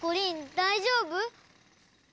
だいじょうぶ！